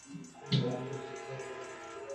তোমার চেহারা দেখা যাচ্ছে কি?